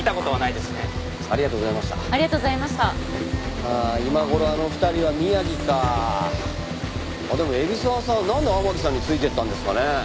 でも海老沢さんはなんで天樹さんについて行ったんですかね？